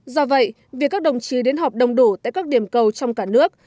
do vậy việc các đồng chí đến họp đông đủ tại các điểm cầu trong cả nước